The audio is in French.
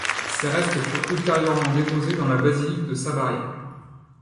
Ses restes furent ultérieurement déposés dans la basilique de Sabaria.